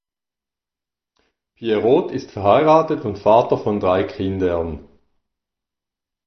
Pieroth ist verheiratet und Vater von drei Kindern.